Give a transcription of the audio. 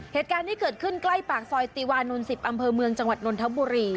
เหตุการณ์ที่เกิดขึ้นใกล้ปากซอยติวานนท์๑๐อำเภอเมืองจังหวัดนนทบุรี